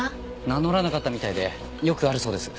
名乗らなかったみたいでよくあるそうです。